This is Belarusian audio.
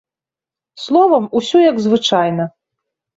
Словам, усё як звычайна.